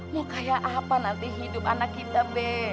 mau kayak apa nanti hidup anak kita b